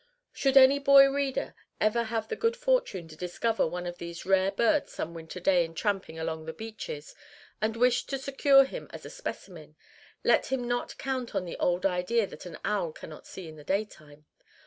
Should any boy reader ever have the good fortune to discover one of these rare birds some winter day in tramping along the beaches, and wish to secure him as a specimen, let him not count on the old idea that an owl cannot see in the daytime.